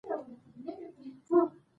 تېر وخت مو له اوسني وخت سره سيالي کوي.